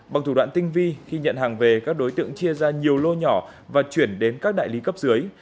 bằng thủ đoạn tinh vi khi nhận hàng về các đối tượng chia ra nhiều lô nhỏ và chuyển đến các đại lý cấp dưới